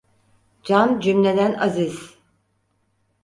Can cümleden aziz.